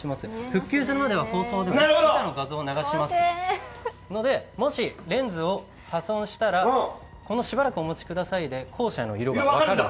復旧するまでは放送では以下の画像が流れますのでので、もしレンズを破損したらそのしばらくお待ちくださいで校舎の色が分かるんだ。